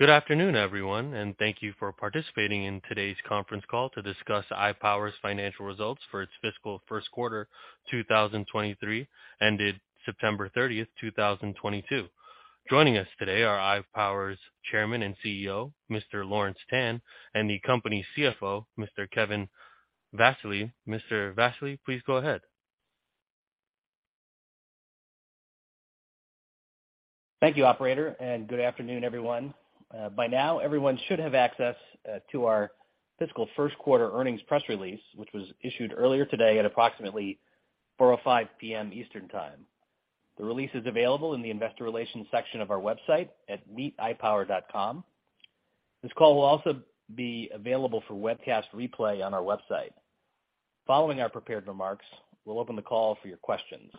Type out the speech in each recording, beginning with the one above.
Good afternoon, everyone, and thank you for participating in today's conference call to discuss iPower's financial results for its fiscal first quarter 2023, ended September 30th, 2022. Joining us today are iPower's chairman and CEO, Mr. Lawrence Tan, and the company's CFO, Mr. Kevin Vassily. Mr. Vassily, please go ahead. Thank you, operator, and good afternoon, everyone. By now, everyone should have access to our fiscal first quarter earnings press release, which was issued earlier today at approximately 4:05 P.M. Eastern Time. The release is available in the investor relations section of our website at meetipower.com. This call will also be available for webcast replay on our website. Following our prepared remarks, we'll open the call for your questions.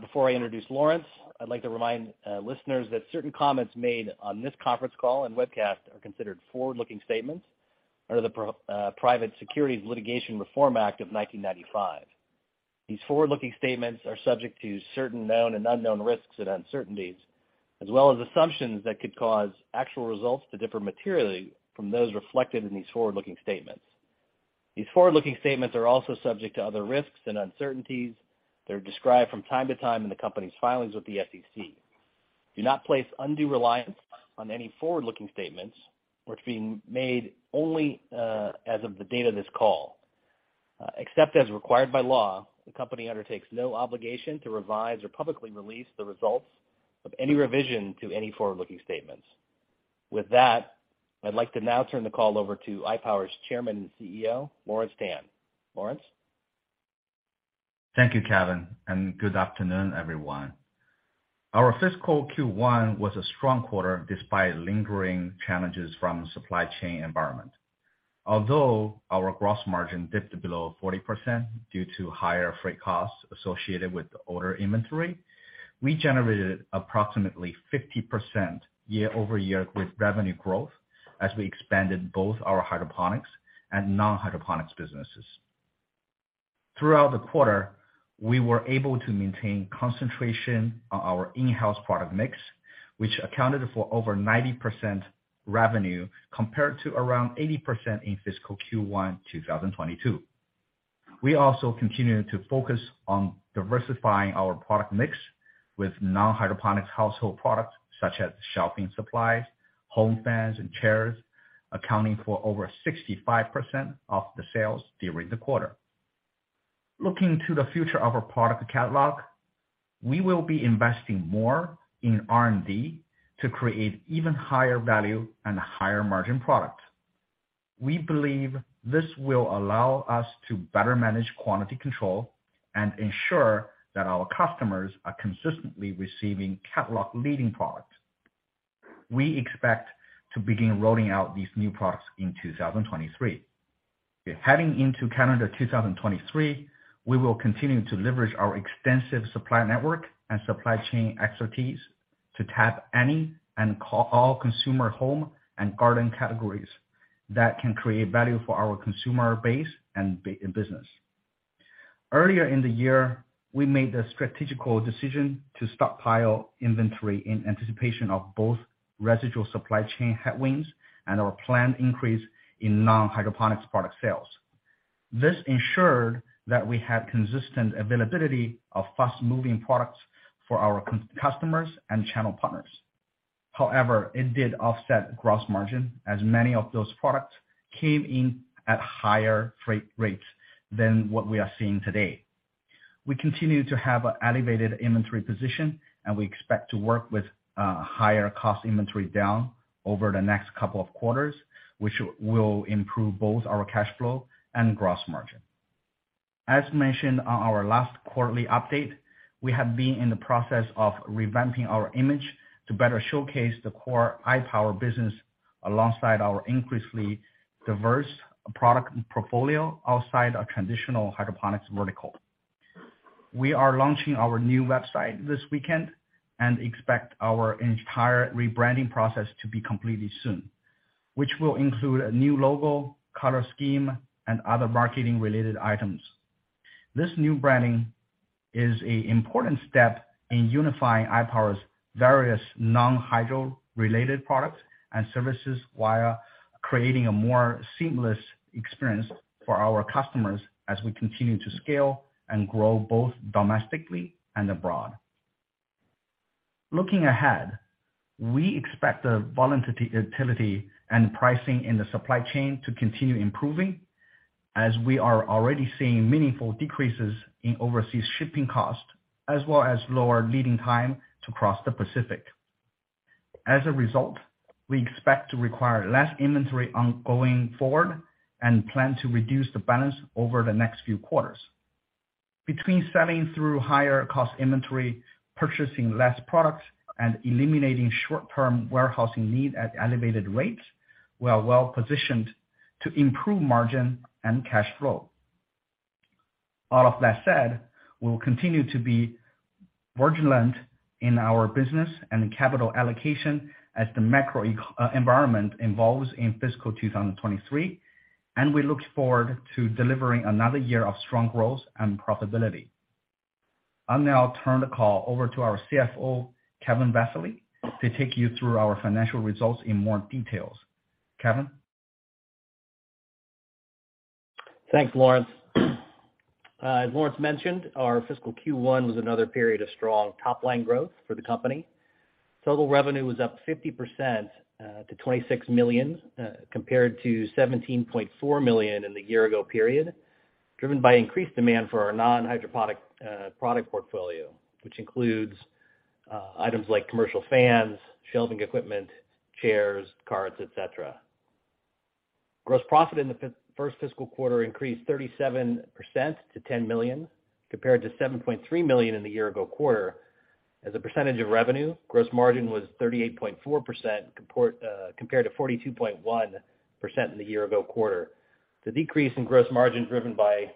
Before I introduce Lawrence, I'd like to remind listeners that certain comments made on this conference call and webcast are considered forward-looking statements under the Private Securities Litigation Reform Act of 1995. These forward-looking statements are subject to certain known and unknown risks and uncertainties, as well as assumptions that could cause actual results to differ materially from those reflected in these forward-looking statements. These forward-looking statements are also subject to other risks and uncertainties that are described from time to time in the company's filings with the SEC. Do not place undue reliance on any forward-looking statements which are being made only as of the date of this call. Except as required by law, the company undertakes no obligation to revise or publicly release the results of any revision to any forward-looking statements. With that, I'd like to now turn the call over to iPower's Chairman and CEO, Lawrence Tan. Lawrence? Thank you, Kevin, and good afternoon, everyone. Our fiscal Q1 was a strong quarter despite lingering challenges from supply chain environment. Although our gross margin dipped below 40% due to higher freight costs associated with the ordered inventory, we generated approximately 50% year-over-year revenue growth as we expanded both our hydroponics and non-hydroponics businesses. Throughout the quarter, we were able to maintain concentration on our in-house product mix, which accounted for over 90% revenue compared to around 80% in fiscal Q1 2022. We also continued to focus on diversifying our product mix with non-hydroponics household products such as shipping supplies, home fans, and chairs, accounting for over 65% of the sales during the quarter. Looking to the future of our product catalog, we will be investing more in R&D to create even higher value and higher margin products. We believe this will allow us to better manage quantity control and ensure that our customers are consistently receiving catalog leading products. We expect to begin rolling out these new products in 2023. Heading into calendar 2023, we will continue to leverage our extensive supply network and supply chain expertise to tap any and all consumer home and garden categories that can create value for our consumer base and business. Earlier in the year, we made the strategic decision to stockpile inventory in anticipation of both residual supply chain headwinds and our planned increase in non-hydroponics product sales. This ensured that we had consistent availability of fast-moving products for our customers and channel partners. However, it did offset gross margin, as many of those products came in at higher freight rates than what we are seeing today. We continue to have an elevated inventory position, and we expect to work down higher cost inventory over the next couple of quarters, which will improve both our cash flow and gross margin. As mentioned on our last quarterly update, we have been in the process of revamping our image to better showcase the core iPower business alongside our increasingly diverse product portfolio outside our traditional hydroponics vertical. We are launching our new website this weekend and expect our entire rebranding process to be completed soon, which will include a new logo, color scheme, and other marketing related items. This new branding is an important step in unifying iPower's various non-hydro related products and services while creating a more seamless experience for our customers as we continue to scale and grow both domestically and abroad. Looking ahead, we expect the volatility and pricing in the supply chain to continue improving as we are already seeing meaningful decreases in overseas shipping costs, as well as lower lead time to cross the Pacific. As a result, we expect to require less inventory going forward and plan to reduce the balance over the next few quarters. Between selling through higher cost inventory, purchasing less products, and eliminating short-term warehousing need at elevated rates, we are well-positioned to improve margin and cash flow. All of that said, we will continue to be vigilant in our business and capital allocation as the macroeconomic environment evolves in fiscal 2023, and we look forward to delivering another year of strong growth and profitability. I'll now turn the call over to our CFO, Kevin Vassily, to take you through our financial results in more details. Kevin? Thanks, Lawrence. As Lawrence mentioned, our fiscal Q1 was another period of strong top-line growth for the company. Total revenue was up 50% to $26 million compared to $17.4 million in the year ago period, driven by increased demand for our non-hydroponic product portfolio, which includes items like commercial fans, shelving equipment, chairs, carts, etc. Gross profit in the first fiscal quarter increased 37% to $10 million, compared to $7.3 million in the year ago quarter. As a percentage of revenue, gross margin was 38.4% compared to 42.1% in the year ago quarter. The decrease in gross margin driven by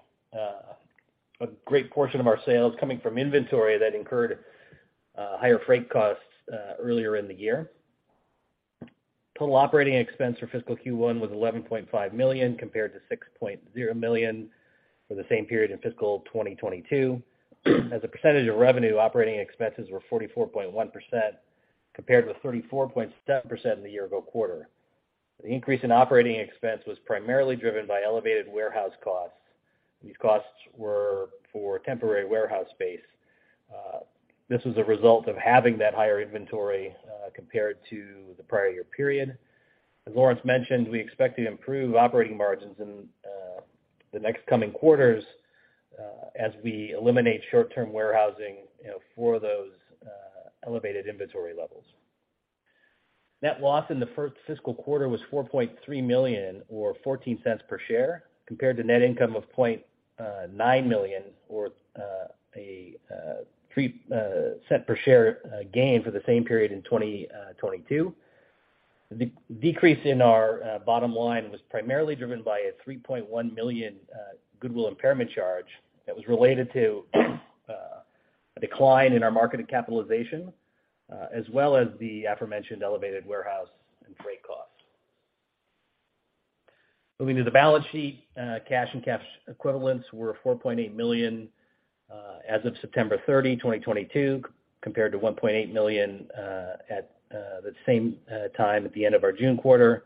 a great portion of our sales coming from inventory that incurred higher freight costs earlier in the year. Total operating expense for fiscal Q1 was $11.5 million compared to $6.0 million for the same period in fiscal 2022. As a percentage of revenue, operating expenses were 44.1% compared with 34.7% in the year ago quarter. The increase in operating expense was primarily driven by elevated warehouse costs. These costs were for temporary warehouse space. This was a result of having that higher inventory compared to the prior year period. As Lawrence mentioned, we expect to improve operating margins in the next coming quarters as we eliminate short-term warehousing, you know, for those elevated inventory levels. Net loss in the first fiscal quarter was $4.3 million or $0.14 per share, compared to net income of $0.9 million or a $0.03 per share gain for the same period in 2022. The decrease in our bottom line was primarily driven by a $3 million goodwill impairment charge that was related to a decline in our market capitalization, as well as the aforementioned elevated warehouse and freight costs. Moving to the balance sheet, cash and cash equivalents were $4.8 million as of September 30th, 2022, compared to $1.8 million at the same time at the end of our June quarter.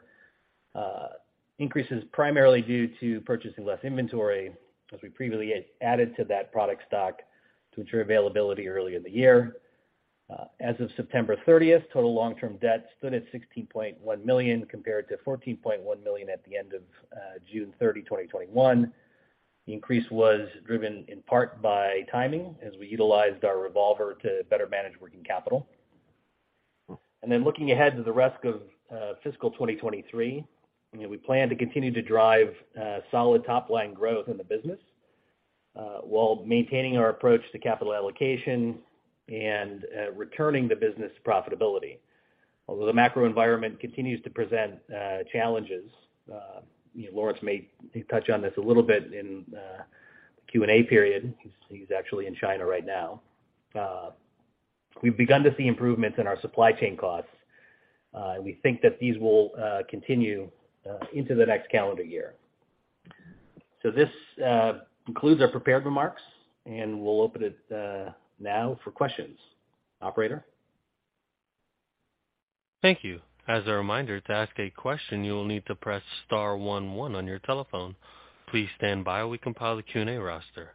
Increases primarily due to purchasing less inventory as we previously added to that product stock to ensure availability early in the year. As of September 30th, total long-term debt stood at $16.1 million compared to $14.1 million at the end of June 30th, 2021. The increase was driven in part by timing as we utilized our revolver to better manage working capital. Looking ahead to the rest of fiscal 2023, you know, we plan to continue to drive solid top-line growth in the business while maintaining our approach to capital allocation and returning the business profitability. Although the macro environment continues to present challenges, you know, Lawrence may touch on this a little bit in the Q&A period. He's actually in China right now. We've begun to see improvements in our supply chain costs. We think that these will continue into the next calendar year. This concludes our prepared remarks, and we'll open it now for questions. Operator? Thank you. As a reminder, to ask a question, you will need to press star one one on your telephone. Please stand by while we compile the Q&A roster.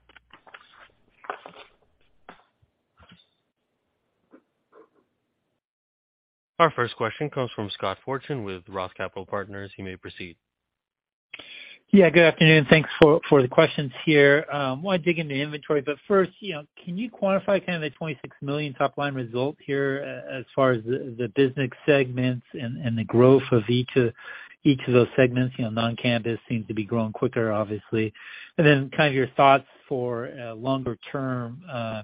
Our first question comes from Scott Fortune with Roth Capital Partners. You may proceed. Yeah, good afternoon. Thanks for the questions here. Want to dig into inventory, but first, you know, can you quantify kind of the $26 million top line result here as far as the business segments and the growth of each of those segments? You know, non-hydroponics seems to be growing quicker, obviously. Kind of your thoughts for a longer-term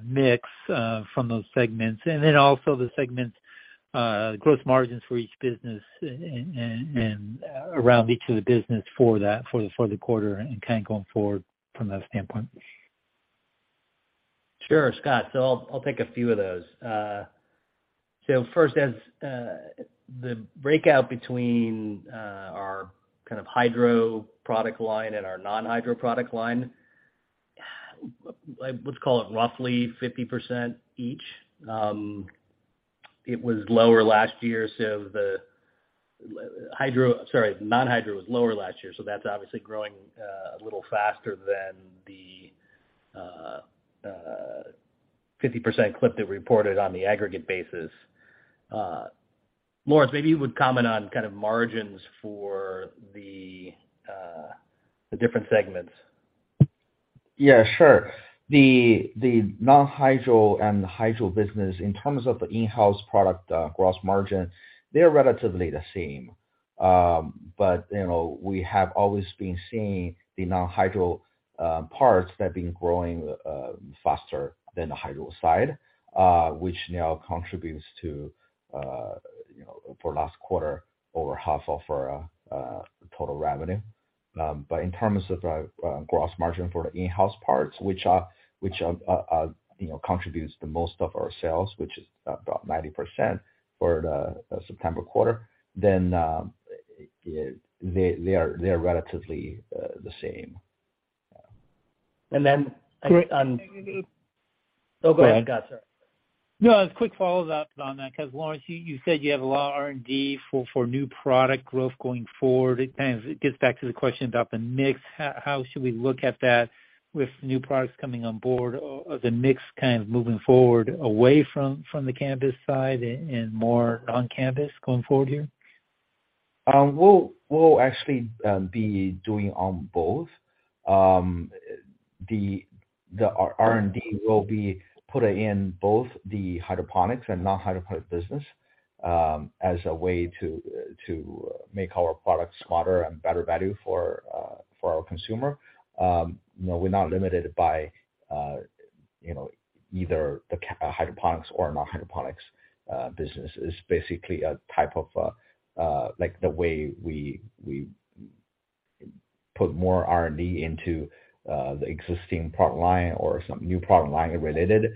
mix from those segments. Also the segments growth margins for each business and around each of the business for the quarter and kind of going forward from that standpoint? Sure, Scott. I'll take a few of those. First, as the breakout between our kind of hydro product line and our non-hydro product line, let's call it roughly 50% each. It was lower last year, so the non-hydro was lower last year, so that's obviously growing a little faster than the 50% clip that we reported on the aggregate basis. Lawrence, maybe you would comment on kind of margins for the different segments. Yeah, sure. The non-hydro and the hydro business, in terms of the in-house product, gross margin, they're relatively the same. You know, we have always been seeing the non-hydro parts have been growing faster than the hydro side, which now contributes to, you know, for last quarter, over half of our total revenue. In terms of gross margin for the in-house parts, which you know, contributes the most of our sales, which is about 90% for the September quarter, they are relatively the same. Oh, go ahead, Scott, sorry. No, a quick follow-up on that because Lawrence, you said you have a lot of R&D for new product growth going forward. It kind of gets back to the question about the mix. How should we look at that with new products coming on board? Are the mix kind of moving forward away from the cannabis side and more on cannabis going forward here? We'll actually be doing on both. The R&D will be put in both the hydroponics and non-hydroponics business as a way to make our products smarter and better value for our consumer. You know, we're not limited by you know, either the hydroponics or non-hydroponics business. It's basically a type of like the way we put more R&D into the existing product line or some new product line related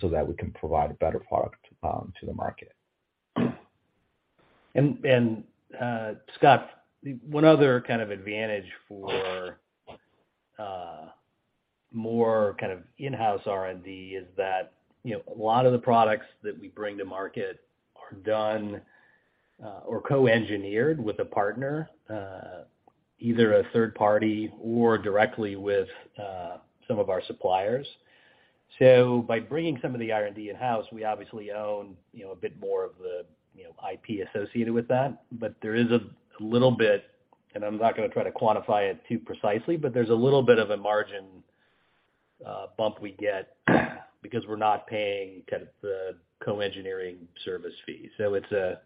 so that we can provide a better product to the market. And Scott, one other kind of advantage for more kind of in-house R&D is that, you know, a lot of the products that we bring to market are done or co-engineered with a partner, either a third party or directly with some of our suppliers. By bringing some of the R&D in-house, we obviously own, you know, a bit more of the, you know, IP associated with that. There is a little bit, and I'm not gonna try to quantify it too precisely, but there's a little bit of a margin bump we get because we're not paying kind of the co-engineering service fee. It's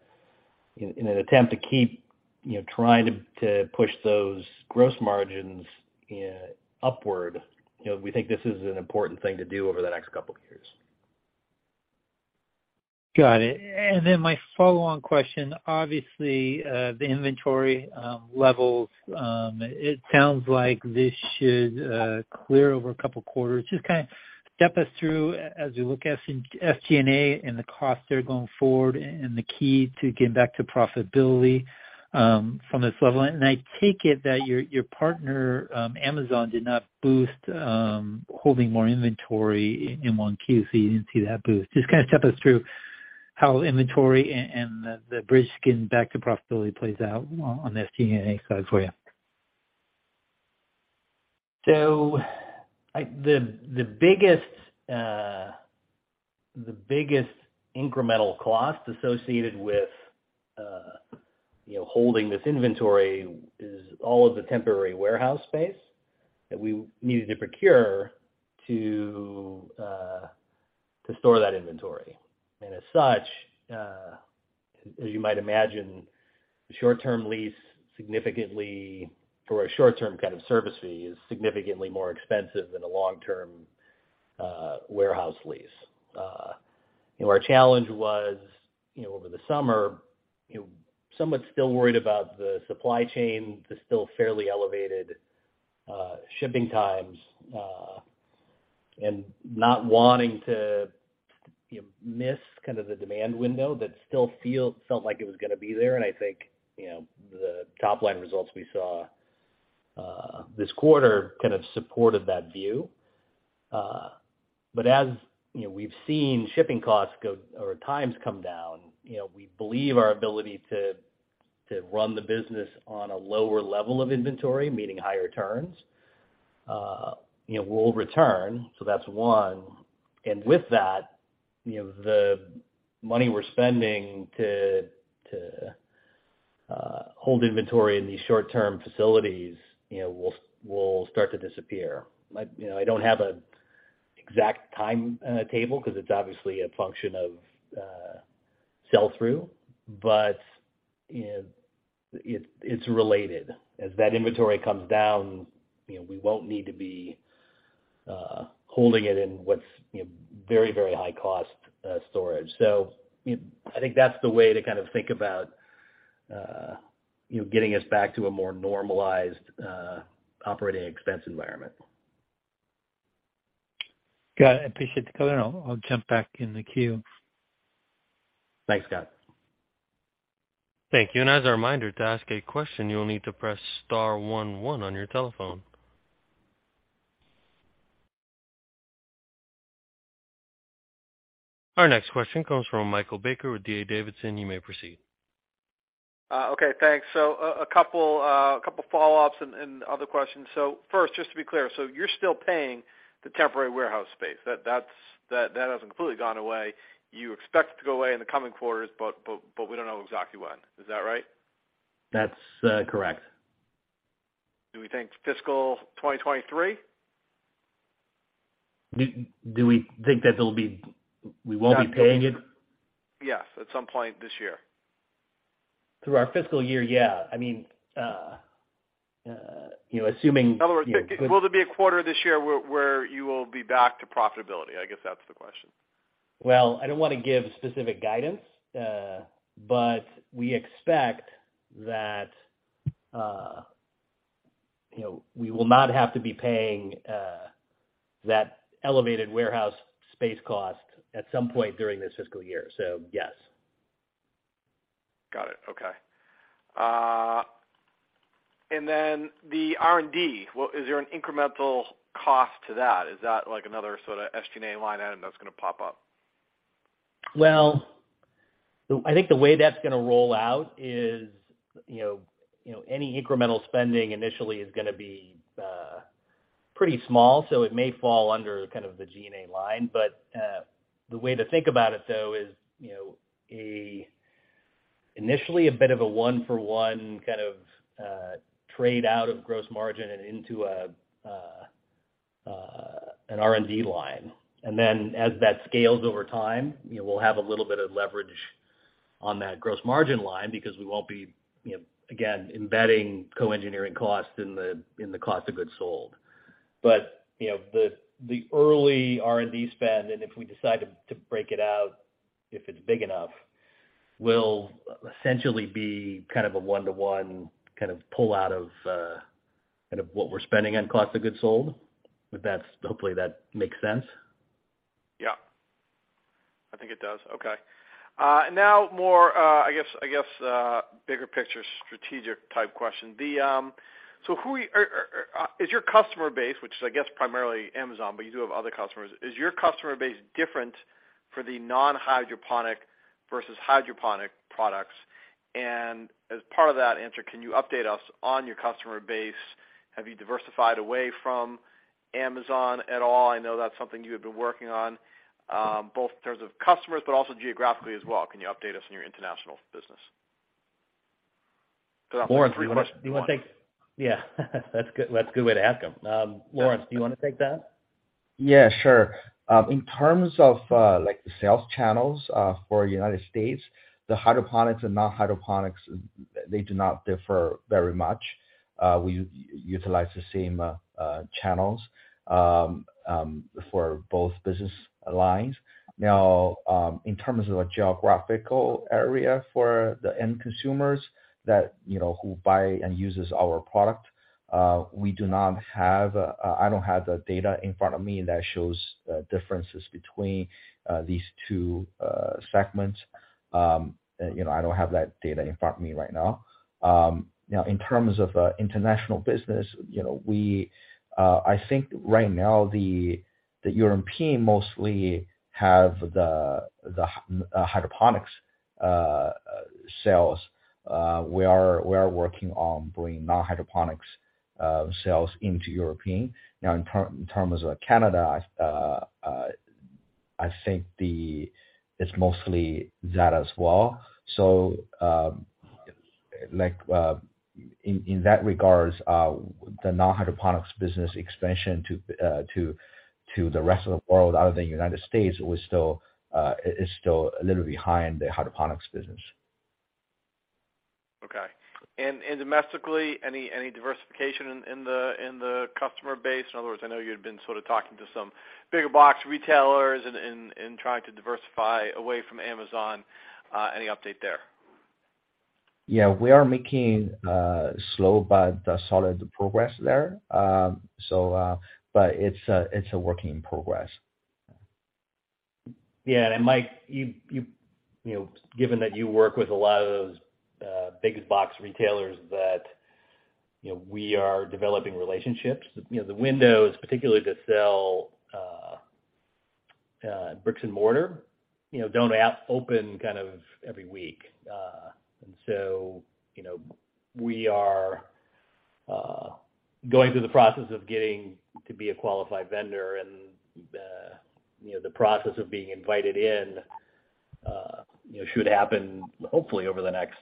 in an attempt to keep, you know, trying to push those gross margins upward, you know, we think this is an important thing to do over the next couple of years. Got it. Then my follow-on question, obviously, the inventory levels, it sounds like this should clear over a couple quarters. Just kinda step us through as we look at some SG&A and the costs there going forward and the key to getting back to profitability from this level. I take it that your partner Amazon did not boost holding more inventory in 1Q, so you didn't see that boost. Just kinda step us through how inventory and the bridging back to profitability plays out on the SG&A side for you. The biggest incremental cost associated with, you know, holding this inventory is all of the temporary warehouse space that we needed to procure to store that inventory. As such, as you might imagine, short-term lease significantly for a short-term kind of service fee is significantly more expensive than a long-term warehouse lease. You know, our challenge was, you know, over the summer, you know, somewhat still worried about the supply chain too still fairly elevated shipping times, and not wanting to, you know, miss kind of the demand window that still felt like it was gonna be there. I think, you know, the top-line results we saw this quarter kind of supported that view. As you know, we've seen shipping costs go down or times come down, you know, we believe our ability to run the business on a lower level of inventory, meaning higher turns, you know, will return. That's one. With that, you know, the money we're spending to hold inventory in these short-term facilities, you know, will start to disappear. You know, I don't have an exact timetable 'cause it's obviously a function of sell through, but you know, it's related. As that inventory comes down, you know, we won't need to be holding it in what's, you know, very high cost storage. I think that's the way to kind of think about, you know, getting us back to a more normalized operating expense environment. Got it. I appreciate the color, and I'll jump back in the queue. Thanks, Scott. Thank you. As a reminder, to ask a question, you'll need to press star one one on your telephone. Our next question comes from Michael Baker with D.A. Davidson. You may proceed. Okay, thanks. A couple follow-ups and other questions. First, just to be clear, you're still paying the temporary warehouse space. That hasn't completely gone away. You expect it to go away in the coming quarters, but we don't know exactly when. Is that right? That's correct. Do we think fiscal 2023? Do we think we won't be paying it? Yes, at some point this year. Through our fiscal year, yeah. I mean, you know, assuming- In other words, will there be a quarter this year where you will be back to profitability? I guess that's the question. Well, I don't wanna give specific guidance, but we expect that, you know, we will not have to be paying that elevated warehouse space cost at some point during this fiscal year. Yes. Got it. Okay. The R&D, what is there an incremental cost to that? Is that like another sort of SG&A line item that's gonna pop up? I think the way that's gonna roll out is, you know, any incremental spending initially is gonna be pretty small, so it may fall under kind of the G&A line. The way to think about it, though, is, you know, initially a bit of a one for one kind of trade out of gross margin and into an R&D line. As that scales over time, you know, we'll have a little bit of leverage on that gross margin line because we won't be, you know, again, embedding co-engineering costs in the cost of goods sold. You know, the early R&D spend, and if we decide to break it out if it's big enough, will essentially be kind of a one-to-one kind of pull out of, kind of what we're spending on cost of goods sold. If that's, hopefully that makes sense. Yeah. I think it does. Okay. Now more, I guess, bigger picture, strategic type question. Is your customer base, which is I guess primarily Amazon, but you do have other customers. Is your customer base different for the non-hydroponic versus hydroponic products? And as part of that answer, can you update us on your customer base? Have you diversified away from Amazon at all? I know that's something you have been working on, both in terms of customers, but also geographically as well. Can you update us on your international business? That's three questions in one. Yeah, that's good. That's a good way to ask him. Lawrence, do you wanna take that? Yeah, sure. In terms of, like, the sales channels for United States, the hydroponics and non-hydroponics, they do not differ very much. We utilize the same channels for both business lines. In terms of a geographical area for the end consumers that, you know, who buy and uses our product, I don't have the data in front of me that shows the differences between these two segments. You know, I don't have that data in front of me right now. Now in terms of international business, you know, I think right now the European mostly have the hydroponics sales. We are working on bringing non-hydroponics sales into European. Now in terms of Canada, I think it's mostly that as well. Like, in that regard, the non-hydroponics business expansion to the rest of the world other than United States is still a little behind the hydroponics business. Okay. Domestically, any diversification in the customer base? In other words, I know you had been sort of talking to some big box retailers and trying to diversify away from Amazon. Any update there? Yeah. We are making slow but solid progress there. It's a work in progress. Yeah. And Mike, you know, given that you work with a lot of those big box retailers that, you know, we are developing relationships, you know, the windows, particularly, to sell brick and mortar, you know, don't open kind of every week. You know, we are going through the process of getting to be a qualified vendor and the process of being invited in, you know, should happen hopefully over the next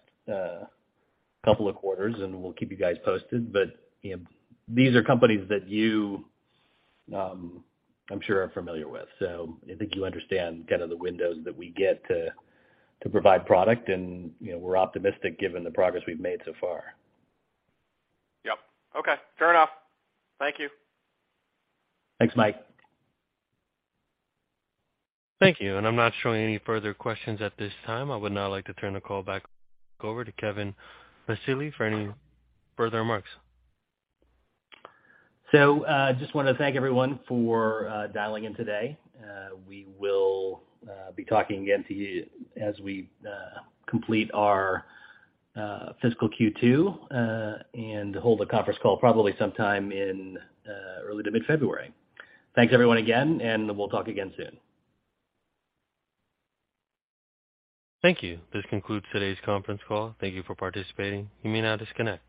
couple of quarters, and we'll keep you guys posted. You know, these are companies that you, I'm sure, are familiar with. I think you understand kind of the windows that we get to provide product and, you know, we're optimistic given the progress we've made so far. Yep. Okay. Fair enough. Thank you. Thanks, Mike. Thank you. I'm not showing any further questions at this time. I would now like to turn the call back over to Kevin Vassily for any further remarks. Just wanted to thank everyone for dialing in today. We will be talking again to you as we complete our fiscal Q2 and hold a conference call probably sometime in early to mid-February. Thanks everyone again, and we'll talk again soon. Thank you. This concludes today's conference call. Thank you for participating. You may now disconnect.